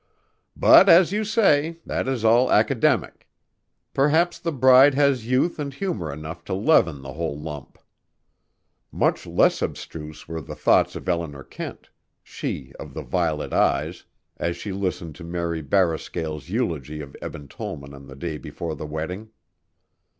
"But, as you say, that is all academic. Perhaps the bride has youth and humor enough to leaven the whole lump." Much less abstruse were the thoughts of Eleanor Kent: she of the violet eyes, as she listened to Mary Barrascale's eulogy of Eben Tollman on the day before the wedding.